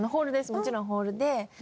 もちろんホールで私。